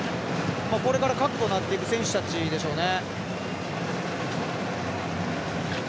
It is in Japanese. これから核となっていく選手でしょうね。